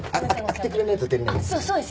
開けてくれないと出れないです。